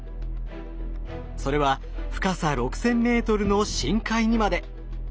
それは深さ６，０００ｍの深海にまで。